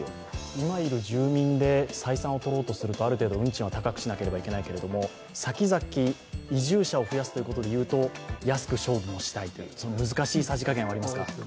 今いる住民で採算を取ろうとすると、ある程度、運賃を高くしないといけないけれども先々、移住者を増やすということで言うと安く勝負したいという難しいさじ加減がありますか？